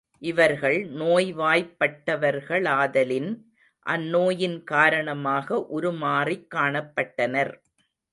இவர்கள் நோய்வாய்ப்பட்டவர்களாதலின், அந்நோயின் காரணமாக உருமாறிக் காணப்பட்டனர்.